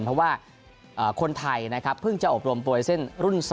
เพราะว่าคนไทยเพิ่งจะอบรมโปรไลเซ็นต์รุ่น๒